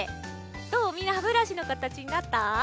どうみんな歯ブラシのかたちになった？